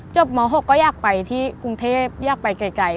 ม๖ก็อยากไปที่กรุงเทพอยากไปไกล